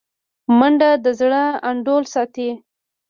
منډه د زړه انډول ساتي